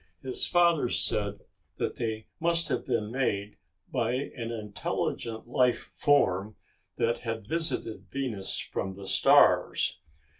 His father said that they must have been made by an intelligent life form that had visited Venus from the stars.